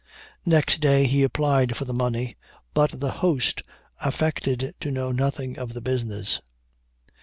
Next day he applied for the money, but the host affected to know nothing of the business.